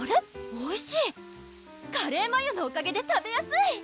おいしいカレーマヨのおかげで食べやすい！